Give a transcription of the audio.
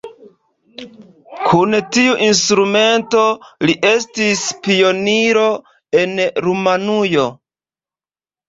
Kun tiu instrumento li estis pioniro en Rumanujo.